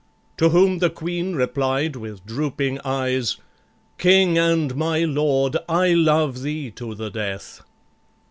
To whom the Queen replied with drooping eyes, "King and my lord, I love thee to the death!"